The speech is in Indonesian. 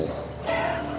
ya tidak ada masalah